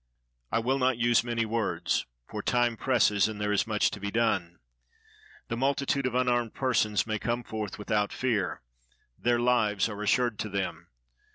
"I will not use many words, for time presses, and there is much to be done. The multitude of unarmed persons may come forth without fear. Their lives are assured to them.